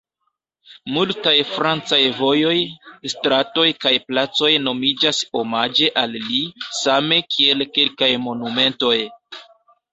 Multaj francaj vojoj, stratoj kaj placoj nomiĝas omaĝe al li, same kiel kelkaj monumentoj.